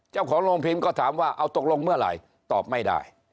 เจ้าของโรงพิมพ์ก็ถามว่าเอาตกลงเมื่อไหร่ตอบไม่ได้